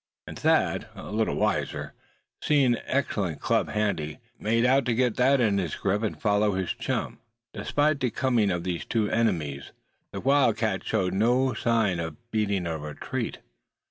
And Thad, a little wiser, seeing an excellent club handy, made out to get that in his grip ere following his chum. Despite the coming of these two new enemies the wildcat showed no sign of beating a retreat.